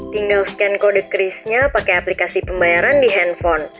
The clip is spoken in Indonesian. tinggal scan kode krisnya pakai aplikasi pembayaran di handphone